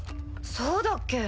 そうだっけ？